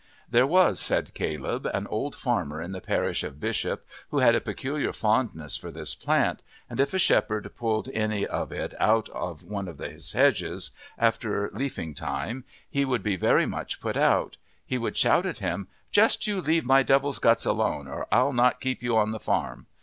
There was, said Caleb, an old farmer in the parish of Bishop who had a peculiar fondness for this plant, and if a shepherd pulled any of it out of one of his hedges after leafing time he would be very much put out; he would shout at him, "Just you leave my Devil's guts alone or I'll not keep you on the farm."